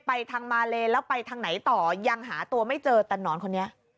ไปทางมาเลแล้วไปทางไหนต่อยังหาตัวไม่เจอแต่หนอนคนนี้